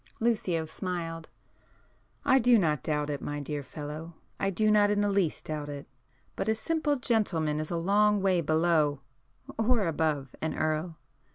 Lucio smiled. "I do not doubt it, my dear fellow,—I do not in the least doubt it. But a simple 'gentleman' is a long way below—or above—an Earl.